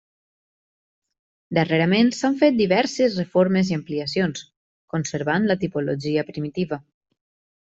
Darrerament s'han fet diverses reformes i ampliacions, conservant la tipologia primitiva.